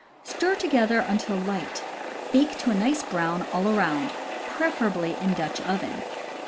Stir together until light. Bake to a nice brown all around, preferably in Dutch oven.